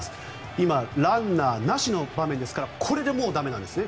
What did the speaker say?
今、ランナーなしの場面ですからこれでもう駄目なんですね。